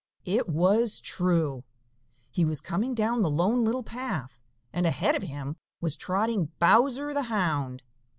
It was true. He was coming down the Lone Little Path, and ahead of him was trotting Bowser the Hound.